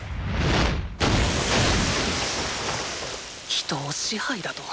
人を支配だと？